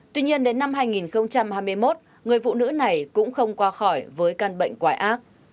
tuy nhiên đến năm hai nghìn hai mươi một người phụ nữ này cũng không qua khỏi với căn bệnh quái ác